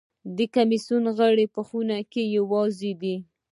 د کمېسیون غړي په خونه کې یوازې دي.